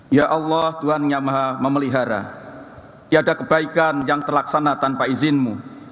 ya allah tuhan yang maha memelihara tiada kebaikan yang terlaksana tanpa izinmu